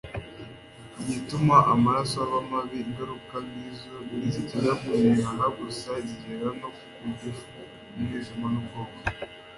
igatuma amaraso aba mabi. ingaruka nk'izo ntizigera ku bihaha gusa, zigera no ku gifu, umwijima n'ubwonko